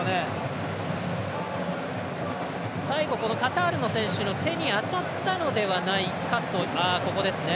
最後、カタールの選手の手に当たったのではないかと。